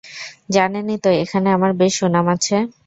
জানেনই তো এখানে আমার বেশ সুনাম আছে।